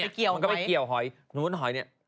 สมอเนี่ยมันก็ไปเกี่ยวหอย